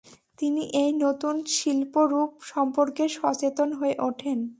তিনি এই নতুন শিল্পরূপ সম্পর্কে সচেতন হয়ে ওঠেন।